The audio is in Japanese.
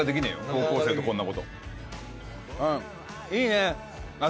高校生とこんなこと。